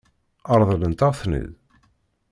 Ṛeḍlent-aɣ-ten-id?